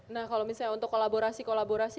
nah kalau misalnya untuk kolaborasi kolaborasi